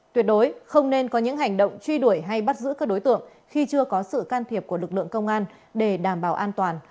tuyệt đối không nên có những hành động truy đuổi hay bắt giữ các đối tượng khi chưa có sự can thiệp của lực lượng công an để đảm bảo an toàn